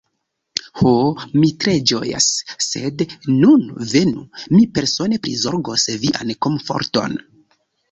Ho, mi tre ĝojas; sed nun venu, mi persone prizorgos vian komforton.